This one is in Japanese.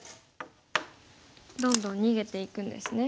どんどん逃げていくんですね。